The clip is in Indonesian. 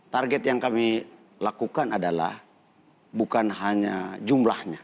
target yang kami lakukan adalah bukan hanya jumlahnya